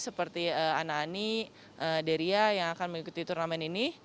seperti anani deria yang akan mengikuti turnamen ini